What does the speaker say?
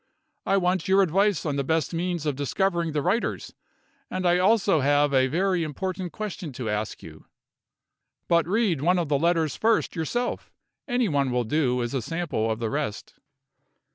I want your advice on the best means of discovering the writers; and I have also a very important question to ask you. But read one of the letters first yourself; any one will do as a sample of the rest."